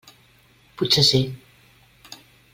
Potser sí.